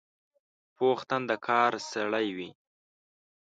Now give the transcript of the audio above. پوخ تن د کار سړی وي